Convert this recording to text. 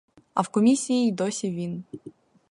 А в комісії й досі він.